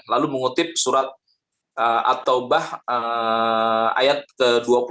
lalu mengutip surat at tawbah ayat ke dua puluh sembilan